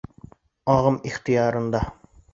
АҒЫМ ИХТЫЯРЫНДА